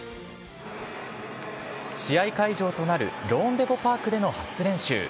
試合会場となる、ローンデポ・パークでの初練習。